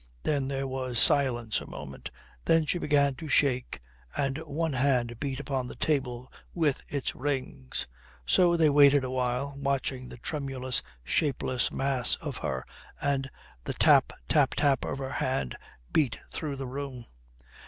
Then there was silence a moment, and then she began to shake, and one hand beat upon the table with its rings. So they waited a while, watching the tremulous, shapeless mass of her, and the tap, tap, tap of her hand beat through the room.